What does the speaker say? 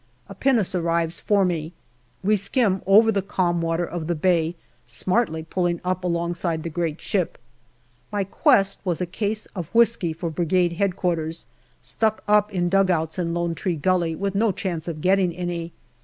A pinnace arrives for me ; we skim over the calm water of the bay, smartly pulling up alongside the great ship. My quest was a case of whisky for Brigade H.Q., stuck up in dugouts in Lone Tree Gully, with no chance of getting any.